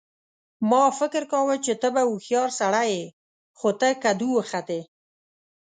ما فکر کاوه چې ته به هوښیار سړی یې خو ته کدو وختې